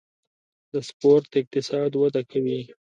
د سپورت اقتصاد وده کوي